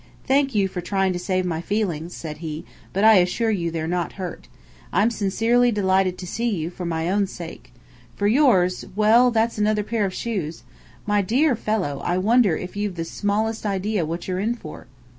"Thank you for trying to save my feelings," said he. "But I assure you they're not hurt. I'm sincerely delighted to see you for my own sake. For yours well, that's another pair of shoes! My dear fellow, I wonder if you've the smallest idea what you're in for?"